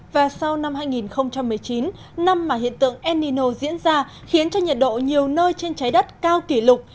và sau năm hai nghìn một mươi chín năm mà hiện tượng el nino diễn ra khiến cho nhiệt độ nhiều nơi trên trái đất cao kỷ lục